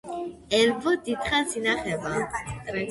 ერბო დიდხანს ინახება.